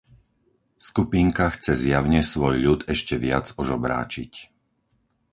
Skupinka chce zjavne svoj ľud ešte viac ožobráčiť.